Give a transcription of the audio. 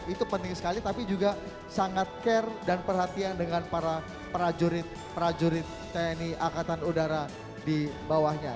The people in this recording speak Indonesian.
itu penting sekali tapi juga sangat care dan perhatian dengan para prajurit prajurit tni angkatan udara di bawahnya